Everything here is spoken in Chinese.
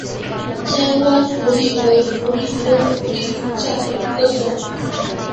纤花鼠李为鼠李科鼠李属下的一个种。